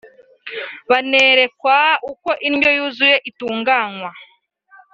banerekwa uko indyo yuzuye itunganwa